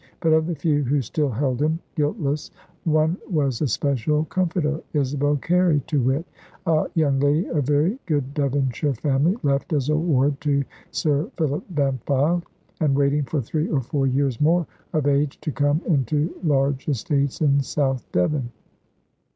But of the few who still held him guiltless, was one especial comforter: Isabel Carey to wit, a young lady of very good Devonshire family, left as a ward to Sir Philip Bampfylde, and waiting for three or four years more of age, to come into large estates in South Devon.